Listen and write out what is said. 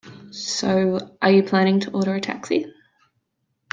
So, are you planning to order a taxi?